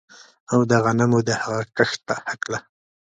او د غنمو د هغه کښت په هکله